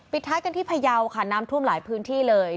ท้ายกันที่พยาวค่ะน้ำท่วมหลายพื้นที่เลย